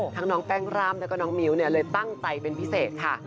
น้องแป้งร่ำแล้วก็น้องมิ้วเลยตั้งใจเป็นพิเศษค่ะ